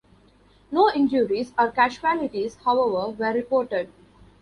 No injuries or casualties, however, were reported.